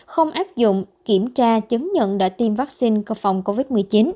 không áp dụng kiểm tra chứng nhận đã tiêm vaccine phòng covid một mươi chín